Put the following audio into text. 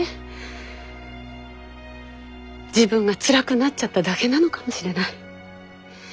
自分がつらくなっちゃっただけなのかもしれない。